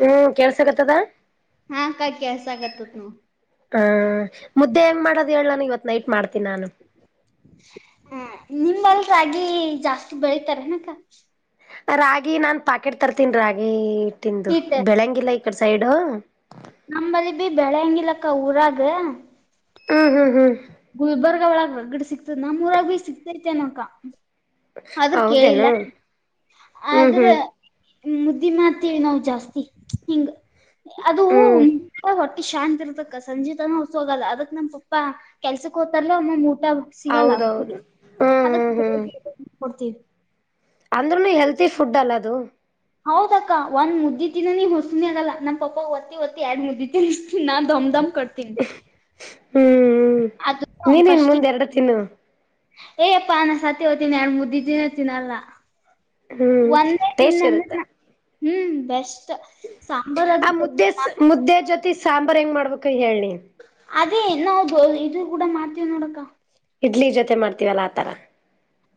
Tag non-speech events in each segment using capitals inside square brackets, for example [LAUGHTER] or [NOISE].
ಹ್ಮ್ ಕೆಳ್ಸಗತ್ತದ ಹಾ ಅಕ್ಕ ಕೆಲಸಕಟ್ಯ್ಯೇಟೆ ನೋಡು ಹಾ ಮುದ್ದೆ ಏನು ಮಾಡೋದು ಹೇಳಾನ ಇವತ್ ನೈಟ್ ಮಾಡ್ತೀನಿ ನಾನು ಹ ನಿಂಬಲ್ ರಾಗಿ ಜಾಸ್ತಿ ಬೆಳತಾರೆ ಏನು ಅಕ್ಕ ರಾಗಿ ನಾನ್ ಪಾಕೆಟ್ ತರ್ತೀನೆ ರಾಗಿಟ್ಟಂದು ಹಿಟ್ ಬೆಳಂಗಿಲ್ಲ ಈಕಡೆ ಸೈಡು ನಂಬಲ್ಲಿ ನೀ ಬೆಳೆಹಂಗಲಕ್ಕ ಊರಾಗ ಹ್ಮ್ ಹ್ಮ್ ಹ್ಮ್ ಗುಲ್ಬರ್ಗಾ ಒಳಗ್ ಹೊಗ್ಗಡೆ ಸಿಗ್ತದ ನಮ್ಮ್ಉರಾಗ ಭ ಸಿಕ್ತೈತೆನಕ ಆದ್ರ ಕೇಳಿಲ್ಲ ಹೌದೇನು ಹ್ಮ್ ಆದ್ರೆ ಹ್ಮ್ ಮುದ್ದಿ ಮಾಡ್ತೀವಿ ನಾವವು ಜಾಸ್ತಿ ಹಿಂಗ ಅದು ಹ್ಮ್ ಹೊಟ್ಟ ಶಾಂತತ್ ಇರ್ತಕ್ಕ ಸಂಜೀ ತನ ಹಸ ಹೋಗಲ್ಲ ಅದಕ್ ನಮ್ ಪಪ್ಪಾ ಕೆಲ್ಸಕ್ ಹೋ್ತಾರಲ್ಲ ಅಮ್ಮ ಊಟ ಸಿಗಲ್ಲ ಹೌದೌದು ಹ್ಮ್ ಅದಕ್ಕೆ ಬೆಳಗೆ ಕೊಡ್ತೀವಿ ಅಂದ್ರನ ಹೆಲ್ತೀಫುಡ್ ಅಲ ಅದು ಹೌದಕ್ಕ ಒಂದ್ ಮುದ್ದಿತೀನಿ ನೀ ಹೊಸನಿ ಆಗಲ್ಲ ನನ್ ಪಾಪ ಹೊತ್ತಿ ಒತ್ತಿ ಎರಡ್ ಮುದ್ದ ತಿೀನಿ ನಾ ದಮ್ ದಮ್ ಕೊಡ್ತೀನಿ ಹ್ಮ್ ಅದು ನೀನಿನ್ ಫಸ್ಟ್ ಮುಂದೆ ಎರಡು ತಿನ್ನು ಏಯಪ್ಪಾ ನಾನ ಸತಿ ಹೋಗ್ತೀನಿ ಎರ ಮುದ್ದಿದ್ದನ ಹತಿನಲ್ಲಾ ಹ್ಮ್ ಒಂದೇ ಟೇಸ್ಟ್ ಇರುತ್ತೆ ಇನ್ನಂದ್ರೆ ಹ್ಮ್ ಬೆಸ್ಟ್ ಸಾಂಬಾರ್ ಅದು ಆ ಮುದ್ದೆ ಮುದ್ದೆ ಜೊತಿ ಸಾಂಬಾರ್ ಹೆಂಗ್ ಮಾಡ್ಬೇಕ ಹೇಳಿ ಅದೇ ನಾವು ಇದು ಕೂಡ ಮಾಡ್ತೀವ ನೋಡಕ್ಕ ಇಡ್ಲಿ ಜೊತೆ ಮಾಡ್ತೀವಲ್ಲ ಆತರ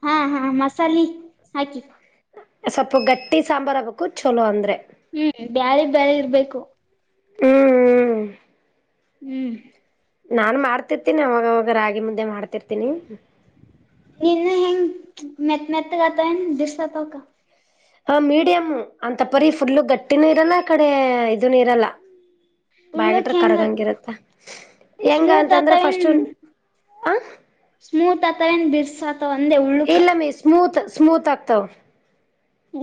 ಹಾ ಹಾ ಮಸಾಲೆ ಹಾಕಿ ಸ್ವಲ್ಪ ಗಟ್ಟಿ ಸಾಂಬಾರ್ ಆಗ್ಬೇಕು ಚಲೋ ಅಂದ್ರೆ ಹ್ಮ್ ಬ್ಯಾರಿ ಬಳೆ ಇರ್ಬೇಕು ಹ್ಮ್ ಹ್ಮ್ ಹ್ಮ್ ನಾನ್ ಮಾಡ್ತಿರ್ತೀನಿ ಅವಾಗವಾಗ ರಾಗಿ ಮುದ್ದೆ ಮಾಡ್ತಿರ್ತೀನಿ ಹನು ಹಿಂಗ ಮೆತ್ ಮೆತ್ತಗತ ಏನ್ ಬಿಸ್ತತಕ್ಕ ಹ ಮೀಡಿಯಮ್ಮು ಅಂತ ಪರಿೀ ಫುಲ್ಲು ಗಟ್ಟಿನೂ ಇರಲ್ಲ ಕಡೆ ಇದನು ಇರಲ್ಲ ಬಾಯಗಟ್ರ ಉಳ್ಳಕ್ ಹೆಂಗ ಕರಗಂಗಿರತ್ತ ಹೆಂಗ ಅಂತಂದ್ರೆ ಫಸ್ಟ್ ಸ್ಮೂತ್ತನ್ ಹತವ ಏನು ಬಿರ್ಸಾ ಇಲ್ಲ ಮೇ ಸ್ಮೂತ್ ಸ್ಮೂತ್ ಆಗ್ತಾವ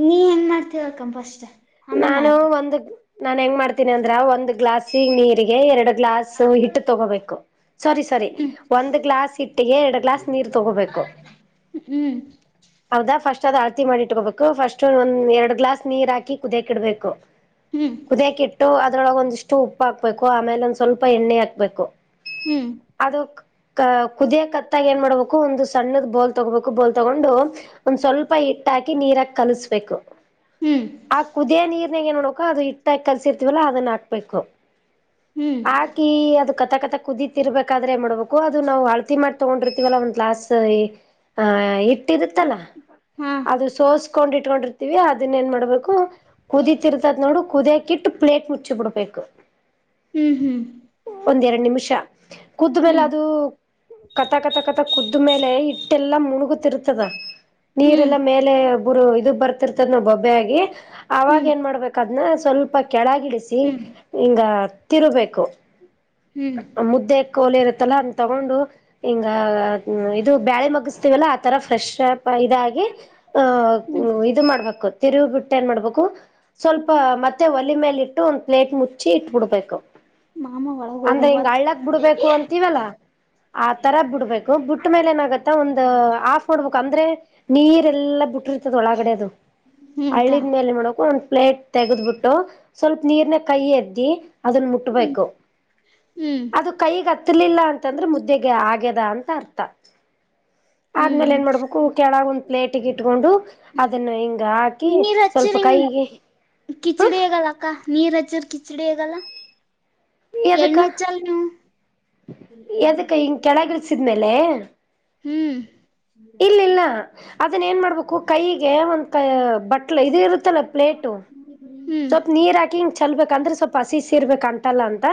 ನೀ ಏನ್ ಮಾಡ್ತೀವ ಅಕ್ಕ ಫಸ್ಟ್ ಆಮೇಲೆ ನಾ ನಾನು ಹೇಳ್ತೇನ್ ಒಂದು ನಾನ್ ಹೆಂಗ್ ಮಾಡ್ತೀನಿ ಅಂದ್ರ ಒಂದ್ ಗ್ಲಾಸ್ ನೀರಿಗೆ ಎರಡು ಗ್ಲಾಸ್ ಹಿಟ್ಟು ತಗೋಬೇಕು ಸಾರಿ ಸಾರಿ ಒಂದ್ ಗ್ಲಾಸ್ ಹಿಟ್ಟಿಗೆ ಎರಡು ಗ್ಲಾಸ್ ನೀರ್ ತಗೋಬೇಕು ಹ್ಮ್ ಹೌದಾ ಫಸ್ಟ್ ಅಳ್ತಿ ಮಾಡಿ ಇಟ್ಕೋಬೇಕು ಫಸ್ಟ್ ಒಂದ್ ಎರಡ್ ಗ್ಲಾಸ್ ನೀರ್ ಹಾಕಿ ಕುದಿಯಕ್ಕೆ ಇಡ್ಬೇಕು. ಹ್ಮ್ ಕುದಿಯಕಿ ಇಟ್ಟು ಅದ್ರೊಳಗ ಒಂದಿಷ್ಟು ಉಪ್ಪು ಹಾಕ್ಬೇಕು ಆಮೇಲೆ ಒಂದ್ ಸ್ವಲ್ಪ ಎಣ್ಣೆ ಹಾಕ್ಬೇಕು ಹ್ಮ್ ಅದು ಕು ಕ ಕುದಿಯ ಕತ್ತಾಗ ಏನ್ ಮಾಡ್ಬೇಕು ಒಂದು ಸಣ್ಣದ ಬೋಲ್ ತಗೋಬೇಕು ಬೋಲ್ ತೊಗೊಂಡು ಒಂದ್ ಸ್ವಲ್ಪ ಟ್ಟಾಕಿ ನೀರಕ್ ಕಲಿಸ್ಬೇಕು. ಹ್ಮ್ ಆ ಕುದಿಯ ನೀರ್ನಾಗ ಏನ್ಮಾಡಕನ ಅದು ಹಟ್ಟಾಗಿ ಕಲ್ಸಿರ್ತಿವಲ್ಲ ಅದನ್ನ ಹಾಕ್ಬೇಕು. ಹ್ಮ್ ಹಾಕಿ ಅದ ಕ ಕತಕತ ಕುದಿತಿ ಇರ್ಬೇಕಾದ್ರೆ ಮಾಡ್ಬೇಕು ಅದು ನಾವು ಅಳತಿ ಮಾಡಿ ತೊಗೊಂಡಿರ್ತತಿವಲ್ಲ ಒಂದ್ ಗ್ಲಾಸ್ ಹಾ ಇ ಇಟ್ಟ ಇರುತ್ತಲ್ಲ ಹಾ ಅದು ಸೋಸ್ಕೊಂಡ್ ಇಟ್ಕೊಂಡಿರ್ತೀವಿ ಅದನ್ನ ಏನ್ ಮಾಡ್ಬೇಕು ಕುದಿತಿರ್ತದ್ ನೋಡು ಕುದಿಯಕಿ ಇಟ್ಟು ಪ್ಲೇಟ್ ಮುಚ್ಚಿ ಬಿಡ್ಬೇಕು. ಹ್ಮ್ ಹ್ಮ್ ಒಂದ ಎರಡು ನಿಮಿಷ ಕದ್ ಮೇಲೆ ಹ್ಮ್ ಅದು ಕಥ ಕಥಾ ಕಥಾ ಕ್ ಕುದ್ದ ಮೇಲೆ ಇಟ್ಟೆಲ್ಲಾ ಮುಣುಗುತ್ತಿರ್ತದ ನೀರೆಲ್ಲ ಮೇಲೆ ಬ್ರು ಇದು ಬರ್ತಿರ್ತದ ನೋಡ್ ಬೊಬ್ಬೆ ಆಗಿ ಅವಾಗ ಹ್ಮ್ ಏನ್ ಮಾಡ್ಬೇಕದ್ನ್ನ ಸ್ವಲ್ಪ ಕೆಳಗಿಳಿಸಿ ಹ್ಮ್ ಹ್ಮ್ ಹಿಂಗ ತಿರಬೇಕು ಹ್ಮ್ ಮುದ್ದೆ ಕೋಲಿ ಇರತ್ತಲ್ಲ ಅಂತ ತಗೊಂಡು ಹಿಂಗ ಇದು ಬ್ಯಾಳೆ ಮಗಸ್ತೀವಲ್ಲಾ ಆತರ ಫ್ರೆಶ್ ಇದಾಗಿ ಆಹ ಹ್ಮ್ ಇದು ಮಾಡ್ಬೇಕು ತಿರುವು ಬಿಟ್ಟ ಏನ್ ಮಾಡ್ಬೇಕು ಸ್ವಲ್ಪ ಮತ್ತೆ ಒಲೆ ಮೇಲೆ ಇಟ್ಟು ಒಂದ್ ಪ್ಲೇಟ್ ಮುಚ್ಚಿ ಇಟ್ಬಿಡ್ಬೇಕು. ಮಾಮಾ ಅಂದ್ರ ಹಿಂಗ ಹಳ್ಳಕ್ ಬಿಡ್ಬೇಕು ಅಂತೀವಲ್ಲ ಆತರ ಬಿಡ್ಬೇಕು ಬಿಟ್ಟ್ಮೇಲೆ ಏನಾಗತ್ತ ಒಂದ ಆಫ್ ಮಾಡಡ್ಬೇಕ ಅಂದ್ರೆ ನೀ ದೆಲ್ಲ ಬಿಟ್ಟಿರ್ತದ ಒಳಗಡೆದು ಹ್ಮ್ ಅಕ್ಕ ಹಳ್ಳಿದ ಮೇಲೆ ಮಾಡಕು ಒಂದ್ ಪ್ಲೇಟ್ ತೆೆಗೆದ್ಬಿಟ್ಟು ಸ್ವಲ್ಪ ನೀರ್ನಗ್ ಕೈ ಎದ್ದಿ ಅದನ್ನು ಹ್ಮ್ ಮುಟ್ಬೇಕು ಹ್ಮ್ ಅದು ಕೈಗತ್ತ ಗತ್ತಲಿಲ್ಲ ಅಂತಂದ್ರೆ ಮುದ್ದೆಗೆ ಆಗ್ಯದ ಅಂತ ಅರ್ಥ. ಹ್ಮ್ ಆದ್ಮೇಲೆ ಏನ್ ಮಾಡ್ಬೇಕು ಕೆಳಗ ಒಂದ್ ಪ್ಲೇಟಗ ಇಟ್ಕೊಂಡು ಅದನ್ನ ಹಿಂಗ ಹಾಕ ನೀರ್ ಹಚ್ಚರಿಂಗ ಹ ಕಿಚಡಿ ಆಗಲ್ಲ ಅಕ್ಕ ನೀರ್ ಹಚ್ಚರ್ ಕಿಚಡಿ ಆಗಲ್ಲ ಎದಕ್ಕ ಎಣ್ಣಿ ಹೆಚ್ಚಲ್ ನೀವು ಎದಕ್ಕ ಹಿಂಗ್ ಕೆಳಗಿಳಿಸಿದ್ಮೇಲೆ ಹ್ಮ್ [UNINTELLIGIBLE] ಅದನ್ ಏನ್ ಮಾಡ್ಬೇಕು ಕೈಗೆ ಒಂತ ಬಟ್ಲ ಇದ ಇರುತ್ತ [UNINTELLIGIBLE] ಪ್ಲೇಟ್ ಹ್ಮ್ ಸ್ವಲ್ಪ ನೀರ್ ಹಾಕಿ ಹಿಂಗ ಚಲ್ಬೇಕ ಅಂದ್ರೆ ಸ್ವಲ್ಪ ಪಸಿ ಸ ಇರ್ಬೇಕ ಅಂಟಲ್ಲ ಅಂತ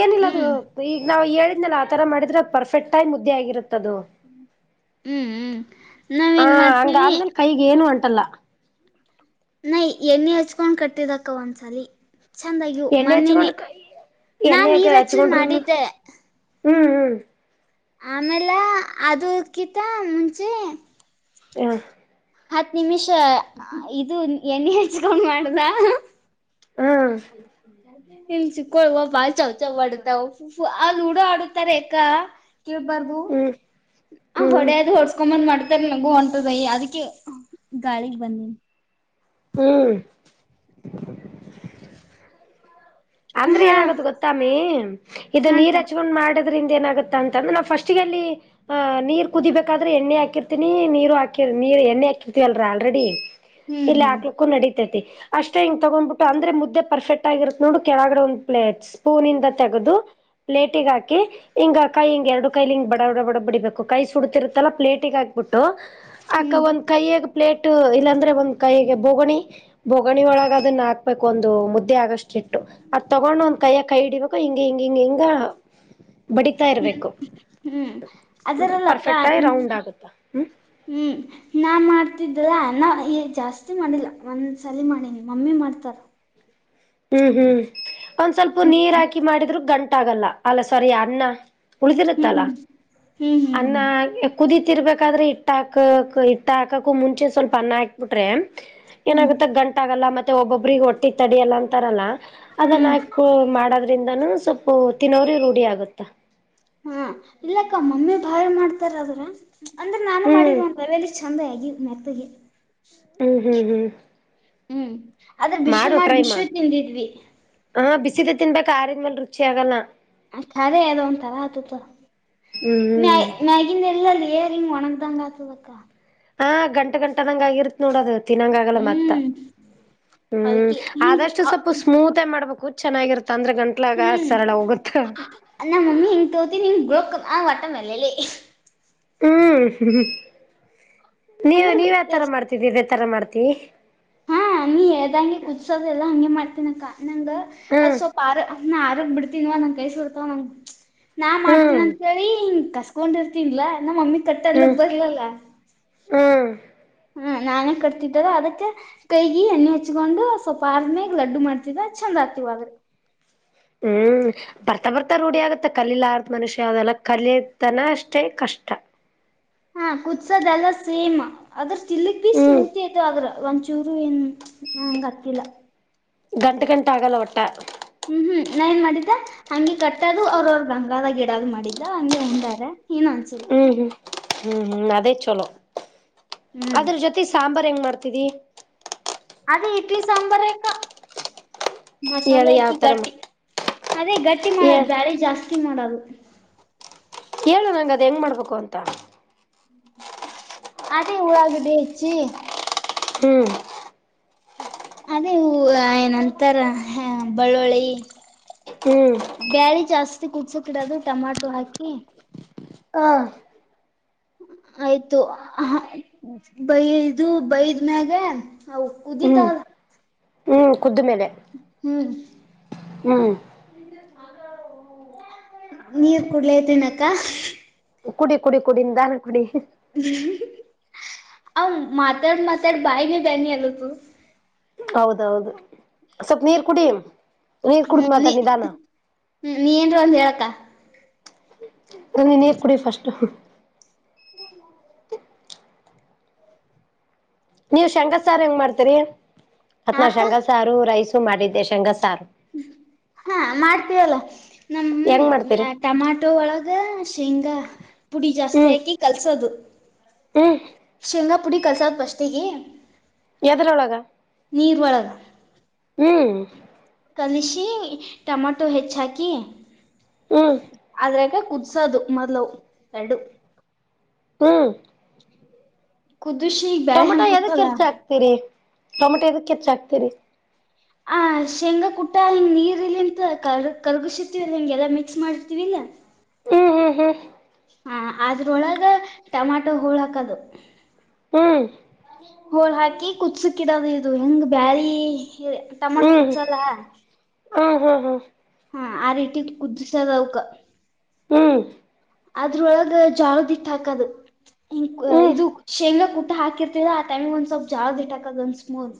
ಏನಿಲ್ಲದು ಹ್ಮ್ ಈಗ ನಾವ್ ಎಲ್ಲಿ ಆ ತರ ಮಾಡಿದ್ರೆ ಪರ್ಫೆಕ್ಟ್ ಆಗಿ ಮುದ್ದೆ ಆಗಿರುತ್ತದು. ಹ್ಮ್ ಹ್ಮ್ ಹ ನಾವೇನ್ ಹಂಗ ಮಾಡ್ತೀವಿ ಆಮ್ಮೇಲೆ ಕೈಗೆ ಏನು ಅಂಟಲ್ಲ. ನೈ ಎಣ್ಣಿ ಹಚ್ಕೊಂಡ್ ಕಟ್ಟಿದಕ್ಕ ಒಂದ್ಸಲಿ. ಚಂದಗ್ಯು ಎಣ್ಣೆ ಮೊನ್ನೇನೆ ಹಚ್ಕೊಂಡ್ ಕೈ ನಾನನಿರಾಚ್ಚಿ ಮಾಡಿದ್ದೆ. ಹ್ಮ್ ಹ್ಮ್ ಆಮೇಲೆ ಅದುಕ್ಕಿಂತ ಮುಂಚೆ ಹಾ ಹತ್ ನಿಮಿಷ ಇದು ಎಣ್ಣೆ ಹೆಚ್ಕೊಂಡ್ ಮಾಡ್ದ ಹ್ಮ್ ನಿನ್ ಸಿಕ್ಕೋಳ್ ಬಾಳ ಚಾವ್ ಚಾವ್ ಆಡುತ್ತ ಆ ಲೂಡೋ ಆಡುತ್ತಾರ ಅಕ್ಕ ಕೇಳ್ಬಾರ್ದು ಹ್ಮ್ ಆ ಹ್ಮ್ ಹೊಡೆಯಾದು ಹೊಸ್ಕೊಂಬಂದ್ ಮಾಡ್ ನಗೂ ಹೊಂಟದ [UNINTELLIGIBLE] ಅದಕ್ಕೆ ಗಾಳಗ್ ಬದನ್ನಿ ಹ್ಮ್ ಅಂದ್ರೆ ಹಾ ಏನಾಗದು ಗೊತ್ತಾಮಿ ಇದು ಹಾ ನೀರ್ ಅಕ್ಕ ಹಚಕೊಂಡ್ ಮಾಡ ್ರಂದ ಏನಾಗುತ್ತಾ ಅಂತಂದ್ರೆ ನಾವು ಫಸ್ಟ್ ಅಲ್ಲಿ ನೀರ್ ಕುದಿಬೇಕಾದ್ರೆ ಎಣ್ಣ ಹಕಿರ್ತೀನಿ ನೀರು ಹಾಕಿ ನೀರ ಎ್ಣೆ ಹಾಕಿರ್ತೀವಲ್ರ ಆಲ್ರೆಡಿ ಹ್ಮ್ ಇಲ್ಲ ಹ್ಮ್ ಹಾಕ್ಕ್ಕೂ ನಡೀ ಅಷ್ಟೇ ಹಿಂಗ ತಗ್ಿಟ್ಟು ಅಂದ್ರೆ ಮು್ದೆ ಪರ್ಫೆಕ್ಟ್ ಆಗಿರುತ್ತೆ ನೋಡು ಕೆಳಗಡೆ ಒಂದು ಪ್ಲೇಟ್ ಸ್ಪೂನ್ ಇಿಂದ ತೆಗ ಪ್ಲೇಟಿಗೆ ಹಾಕಿ್ ಕೈಿ ಹಿಂಗ ಎರಡು ಕೈಲಿ ಹಿಂಗ ಬಡ ಬಡ ಬಡ ಬಿಡಿಬೇಕು ಕೈ ಸುಡುತ್ತತಿರುತ್ತಲ್ಲ ಪ್ಲೇಟಿಗೆ ಹಾಕ್ಬಿಟ್ಟು ಅಕ ಹ್ಮ್ ಒಂದ್ ಕೈಯ್ಯಗ್ ಪ್ಲೇಟ್ ಇಲ್ಲಾಂದ್ರೆ ಒಂದ್ ಕೈಯಗೆ ಬೋಗಣಿ ಬೋಗ ಒಗಣಿ ಒಳಗೆದನ್ನ ಹಾಕ್ಬೇಕು ಒಂದು ಮುದ್ದೆ ಆಗಷ್ಟಿತ್ತು ಅದ್ ತಗೊಂಡ್ ಒಂದ್ ಕೈಯ ಕೈ ಹಿಡಿಬೇಕು ಹಿಂಗ ಹಿಂಗ ಹಿಂಗ ಹಿಂಗ ಬಡಿತಾ ಹ್ಮ್ ಇರ್ಬೇಕು ಹ್ಮ್ ಅಂದ್ರೆ ಅದರಲ್ಲ ಕ ಪರ್ಫೆಕ್ಟ್ ಆಗಿ ರೌಂಡ್ ಆಗುತ್ತ ಹ್ಮ್ ಹ್ಮ್ ನಾ ಮಾಡ್ತಿದ್ದ ನನ್ನ ಜಾಸ್ತಿ ಮಾಡಿಲ್ಲ ಒಂದ್ಸಲಿ ಮಾಡಿನಿ ಮಮ್ಮಿ ಮಾಡ್ತಾರ ಹ್ಮ್ ಹ್ಮ್ ಒಂದ್ ಸ್ವಲ್ಪ ಹ್ಮ್ ನೀರ್ ಹಾಕಿ ಮಾಡಿದ್ರು ಗಂಟ ಆಾಗಲ್ಲ ಅಲ್ಲ ಸರಿ ಅನ್ನ ಉಳಿದಿರುತ್ತಲ್ಲ ಹ್ಮ್ ಹ್ಮ್ ಅನ್ನ ಕುದ ಇರ್ಬೇಕಾದ್ರೆ ಇಟ್ಟ ಹಾಕಕ್ ಇಟ್ಟ ಹಾಕಕ್ಕು ಮುಂಚೆ ಸ್ವಲ್ಪ ಅನ್ನ ಹಾಕ್ಬಿಟ್ರೆ ಹ್ಮ್ ಹ್ಮ್ ಏನಾಗುತ್ತೆ ಗಂಟ ಆಾಗಲ್ಲ ಮತ್ತೆ ಒಬ್ಬೊಬ್ರಿಗೆ ಒಟ್ಟಿ ತಡಿಯಲ್ಲ ಅಂತ ತರಲ್ಲ ಅದನ್ನ ಹ್ಮ್ ಹಾಕ ಮಾಡೋದ್ರಿಂದನೂ ಸ್ವಲ್ಪ ತಿನ್ನವ್ರ ರೂಢಿ ಆಗುತ್ತ ಹಾ ಇಲ್ಲಕ್ಕ ಮಮ್ಮಿ ಭಾಯ ಮಾಡ್ತಾರದ್ರ ಅಂದ್ರೆ ನಾನು ಹ್ಮ್ ಮಾಡಿದವಂತ ಚೆಂದ ಆಗಿ ಮೆಕ್ತಗೆ ಹ್ಮ್ ಹ್ಮ್ ಹ್ಮ್ ಹ್ಮ್ ಅದ ಬಿಶು ಮಾಡ ಬಿಸ್ು ತಿಂದಿದ್ವಿ ಹಾ ಬಿಸಿದ ತಿನ್ಬೇಕಕ್ ಆರಿದ್ಮೇಲೆ ರುಚಿ ಆಗಲ್ಲ ಆ ಖರೆ ಅದ ಒಂತರ ಆತಪ ಮ ಹ್ಮ್ ಮ್ಯಾಗಿನ ಎಲ್ಲಲ್ಲಿ ಒಣಗದಂಗತದಕ್ಕ ಹಾ ಗಂಟ ಗಂಟದಂಗ ಆಗಿರ್ತ್ತ ನೋಡದ ತಿನ್ನಂಗ ಆಗಲ್ಲ ಮತ್ತ ಹ್ಮ್ ಹ್ಮ್ ಅದಕ್ಕೆ ಆದಷ್ಟು ಸ್ವಲ್ಪ ಹಿಂಗ ಸ್ಮೂತ್ಗಿ ಮಾಡ್ಬೇಕು ಚೆನ್ನಾಗಿರುತ್ತ ಅಂದ್ರೆ ಗಂಟ್ಲಾಗ ಹ್ಮ್ ಸರಳ ಹೋಗುತ್ತ ನ ಮಮ್ಮಿ ಹಂಗ ತೋತಿ ನಿಮ ಗೋಕ್ ಆ ವಟ್ಟಮ್ಮಲ್ಲಲ್ಲಿೇ ಹ್ಮ್ ನೀವು ಅಂದ್ರ ನೀವ್ ಬೇಕೇ ಯತರ ಮಾಡ್ತಿದ್ದೀ ತರ ಮಾಡ್ತ ಹಾ ನೀ ಹೇಳ್ದಂಗೆ ಕುದಸೋದೆ ಎಲ್ಲಾ ಹಂಗೆ ಮಾಡ್ತನಕ್ಕ ನಂಗ ಅದು್ ಹ್ಮ್ ಸ್ವಲ್ಪ ಆರ ನಾ ಆರಗ್ ಬಿಡ್ತೀನ್ವ ನಂಗ ಕಳ್ಸ ಬಿಡ್ತವ ನಂಗ ನಾ ಮಾಡ್ತೀನ ಹ್ಮ್ ಅಂತೇಳಿ ಹಿಂಗ ಕಷ್ಟ ಕೊಂಡಿರ್ತನ್ಲಾ ನಮ್ಮ ಮಮ್ಮಿ ಕಟ್ಟಲ್ಲ ಬರ್ಲಲ್ಲ ಹಾ ಹ ನಾನೇ ಕಟ್ತಿದ್ದಾರ ಅದಕ್ಕೆ ಕೈಗೆ ಎಣ್ಣೆ ಹಚ್ಕೊಂಡು ಸ್ವಲ್ಪ ಆರನೇಗ್ ಲಡ್ಡು ಮಾಡ್ತಿದ ಚಂದ ಸಾತಿವಾದ ಹ್ಮ್ ಬರ್ತಾ ಬರ್ತಾ ರೂಢಿ ಆಗತ್ತ ಕಲಲಾರ ಮನುಷ್ಯ ಯಾವ್ದಲ್ಲ ಕಲತನ ಅಷ್ಟೇ ಕಷ್ಟ ಹಾ ಕುದಸದೆ ಎಲ್ಲ ಸೇಮ್ ಅದ್ರ ಸ್ಟಿಲ್ಕ್ ಬಿ ಹ್ಮ್ ಸ್ಮೂತಿ ಐತ ಆ್ರ ಒಂಚೂರು ಏನ್ ನಂಗತ್ತಿಲ್ಲ ಗಂಟ ಗಂಟ ಆಗಲ್ಲ ಒಟ್ಟ ಹ್ಮ್ ಹ್ಮ್ ನಾ ಏನ್ ಮಾಡಿದ್ದ ಹಂಗೆ ಕಟ್ಟದು ಅವ್ರ ಅವ್ರ ಗಂಗಾದ ಗಿಡದ ಮಾಡಿದ್ದ ಹಂಗೆ ಉಂಡಾರ ಏನುಂಸಿಲ್ಲ ಹ್ಮ್ ಹ್ಮ್ ಹ್ಮ್ ಹ್ಮ್ ಅದೇ ಚಲೋ ಹ್ಮ್ ಅದ್ರ ಜೊತೆ ಸಾಂಬಾರ್ು ಹೆಂಗ್ ಮಾಡ್ತ ತಿದಿ ಅದೇ ಇಡ್ಲಿ ಸಾಂಬಾರ ಕ ಮಸಾಲೆ ಹೇಳು ಹಾಕಿ ಯಾವ್ತರ ಗಟ್ಟಿ ಅದೇ ಗಟ್ಟಿ ಹೇಳ ಮಾಡೋದು ಬಳೆ ಜಾಸ್ತಿ ಮಾಡದು ಹೇಳ ನಂಗ ಅದ್ ಹೆಂಗ್ ಮಾಡ್ಬೇಕು ಅಂತ ಅೇ ಉಳ್ ಗ ಬಚು ಹ್ಮ್ ಅದೇವು ಏನಂತರ ಬೆಳ್ಳುಳ್ಳಿ ಹ್ಮ್ ಬೆಳೆ ಜಾಸ್ತಿ ಕುುದಸಕಿಡೋದು ಟೊಮಾಟೊ ಹಾಕಿ ಹಾ [INAUDIBLE] ಆಯ್ತು ಬೈದು ಬೈದ್ಮ್ಯಾಗ ಹ್ಮ್ ಕುದಿತವ ಹ್ಮ್ ಕುದ್ದು ಮೇಲೆ ಹ್ಮ್ ನೀರ್ ಕುೂಡ್ಲೇದಿನಕ್ಕ ಕುಡಿ ಕುಡಿ ಕುಡಿ ನಿಧಾನಕ್ಕೆ ಕುಡಿ [INAUDIBLE] ಆ ಮಾತಾಡ್ ಮಾತಾಡ್ ಬಾಯಿನೆ ಬ್ಯಾನೀ ಅಧಾತು ಹೌದೌದು ಸ್ವಲ್ಪ ನೀರ್ ಕುಡಿ ನೀರ್ ಕುಡ್ದ್ ಹ್ಮ್ ನೀ ಮಾತಾಡ್ ನಿಧಾನ ಹ್ಮ್ ನೀನ್ ಒಂದು ಹೇಳಕ್ಕ ಅದ ನೀರು ಕುಡಿ ಫಸ್ಟ್ ನೀವು್ಶೇಂಗಸಾರು ಹೆಂಗ್ ಮಾಡ್ತೀರಿ ಆವ್ತು ನಾನ್ ಅಕ್ಕ ಶೇಂಗಸಾರು ರೈಸು ಮಾಡಿದ್ದೆ ಶೇಂಗಸಾರ ಹಾ ಮಾಡ್ತೀವಲ್ಲ ನಮ್ಮ್ ಹೆಂಗ್ ಮಾಡ್ತೀರಿ ಟಮಾಟೋ ಒಳಗ ಶೇಂಗಾ ಪುಡಿ ಜಾಸ್ತಿ ಹ್ಮ್ ಹಾಕಿ ಕಲ್ಸೋದು ಹ್ಮ್ ಸಿಂಗಾಪುಡಿ ಕಲ್ಸದ್ ಫ್ರಿಸ್ಟಿಗೆ ಎದರೊಳಗ ನೀರ್ ಒಳಗ ಹ್ಮ ಕಲಿಷಿ ಟಮಾಟೊ ಹೆಚ್ಚಾಕಿ ಹ್ಮ್ ಅದ್ರಾಗ ಕುದಿಸೋದು ಮೊದ್ಲು ಎರಡು ಹ್ಮ ಕುದಿಸಿ ಬ್ಯಾಳೆ ಟೊಮೊಟೊ ಹಂಗ್ ಎದಕ್ ಕುತ್ತಲ್ಲ ಹೆಚ್ಚ ಹಾಕ್ತಿರಿ ಟೊಮೊಟೊ ಎದಕ್ ಹೆಚ್ಚ ಹಾಕ್ತಿರಿ ಆ ಶೇಂಗಾ ಕುಟ್ಟ ಹಿಂಗ್ ನೀರ್ ಇಲ್ಲಿ ಅಂತ ಕರ್ ಕಲ್ಗಸತಿವಲ್ಲ ಹಿಂಗೆಲ್ಲಾ ಮಿಕ್ಸ್ ಮಾಡಿರ್ತಿವಿಲ್ಲಾ [INAUDIBLE] ಹ್ಮ್ ಹ್ಮ್ ಹ ಅದ್ರೊಳಗ ಟಮಾಟೊ ಹೋಳ ಹಾಕದು ಹ್ಮ್ ಹೋಳ ಹಾಕಿ ಕುದಿಸಿಇಡೋದ ಇದು ಹೆಂಗ ಬ್ಯಾಳಿ ಹ ಟಮಾಟೋ ಹ್ಮ್ ಕುದಿಸಲ್ಲ ಹ್ಮ್ ಹ್ಮ್ ಹ್ಮ್ ಹ್ಮ್ ಹಾ ಆ ರೀತಿ ಕುುದ್ರಿಸದುವುಕ ಹ್ಮ್ ಅದ್ರೊಳಗ ಜಾಳದಿಟ್ಟ ಹಾಕದು ಹ ಹ್ಮ್ ಇದು ಶೇಂಗ್ಲಾ ಕು ಕುಟ್ಟು ಹಾಕಿರ್ತಿವಲ್ಲ ಆ ಟೈಮಿಗೆ ಒಂದು ಸ್ವಲ್ಪ ಜೋಳದ ಹಿಟ್ಟುಹಾಕೋದು ಒಂದು ಸ್ಪೂನ್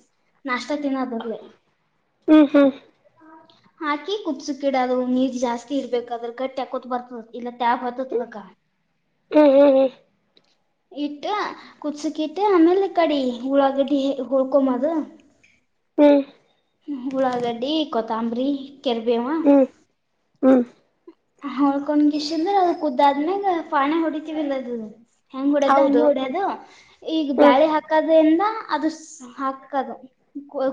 ಹ್ಮ್ ಹ್ಮ್ ಹ್ಮ್ [UNINTELLIGIBLE] ಹಾಕಿ ಕುದಿಸೋಕೆ ಇಡೋದು ಅದು ನೀರ್ ಜಾಸ್ತಿ ಇರ್ಬೇಕಾದ್ರೆ ಗಟ್ಟ್ಯಾಕತ್ ಬರ್ತದೆ ಇಲ್ಲ ಬ್ ಹ್ಮ ಹ್ಮ ಹ್ಮ್ ಹ್ಮ್ ಇಟ್ಟ ಕುದಿಸೋಕೆ ಇಟ್ಟ ಆಮೇಲೆ ಕಡಿ ಹುಳಾಗಡ್ಡಿ ಹಳ್ಕೊಂಬದು ಹ್ಮ್ ಹುಳಾದಡ್ಡಿ ಕೊತ್ತಂಬರಿ ಕೆರ್ಬೇವ ಹ್ಮ್ ಹ್ಮ್ ಹ್ಮ್ ಹೊಳ್ಕೊಂಡ ಇಷ್ಟ ಅಂದ್ರ ಅದ [UNINTELLIGIBLE] ಪಾಣ ಹೊಡಿತೀವಿಲ್ಲದು ಹೆಂಗ್ ಹೊಡ್ಯದು ಹಂಗಗೆ ಹೌದು ಹೊಡ್ಯದು ಈಗ ಹ್ಮ್ ಬ್ಯಾಳಿ ಹಾಕೋದ್ರಿಂದ ಅದು ಹಾಕದು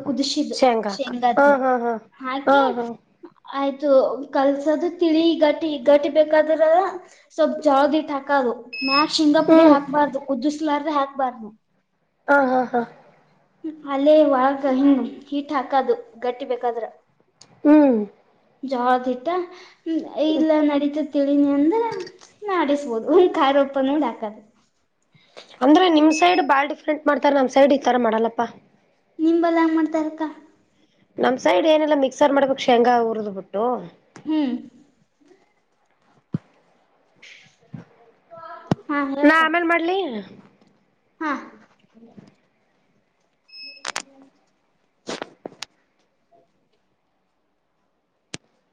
ಕುದಸಿದ ಶೇಂಗಾಕ ಹಾ ಶೇಂಗ್ದ ಹಾ ಹಾ ಹಾ ಹಾಕಿ ಹಾ ಆಯ್ತು ಕಲ್ಸೋದು ತಿಳಿ ಗಟ್ಟಿ ಗಟ್ಟಿ ಬೇಕಾದ್ರ ಸ್ವಲ್ಪ್ ಜಾವದಿಟ್ಟ ಹಾಕದು ಮ್ಯಕ್ ಶೇಂಗಾ ಪುಡಿ ಹ್ಮ್ ಹಾಕ್ಬಾರ್ದು ಕುದ್ದಿಸಲಾರ್ರೆ ಹಾಕ್ಬಾರ್ದು ಹಾ ಹಾ ಹಾ ಅಲ್ಲೇ ಒಳಗ ಹಂಗ ಹೀಟ್ ಹಾಕದು ಗಟ್ಟಿ ಬೇಕಾದ್ರ ಹ್ಮ್ ಜ್ವಾಳದ ಹಿಟ್ಟ ಇಲ್ಲ ನಡೀತ ತಿಳಿನಿ ಅಂದ್ರ. ನಿಸಬೋದು ಕಾರ ಉಪ್ಪಾ ನೋಡ್ ಹಾಕದ. ಅಂದ್ರ ನಿಮ್ ಸೈಡ್ ಬಾಳ್ ಡಿಫ್ರೆಂಟ್ ಮಾಡ್ತಾರೆ ನಮ್ ಸೈಡ್ ಈ ತರ ಮಾಡಲ್ಲಪ್ಪಾ. ನಿಂಬಲ್ಲ ಹಂಗೆ ಮಾಡ್ತಾರಕ್ಕ. ನಮ್ಮ ಸೈಡ್ ಏನೆಲ್ಲ ಮಿಕ್ಸರ್ ಮಾಡ್ಬೇಕು ಶೇಂಗಾ ಉುರಿದ್ಬಿಟ್ಟು. ಹ್ಮ್. [INAUDIBLE] ನಾ ಆಮೇನ್ ಮಾಡ್ಲಿ. ಹಾ.